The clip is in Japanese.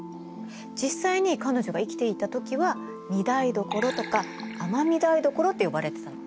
実際に彼女が生きていた時は御台所とか尼御台所って呼ばれてたの。